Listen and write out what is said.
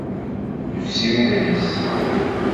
Yefsi wegris.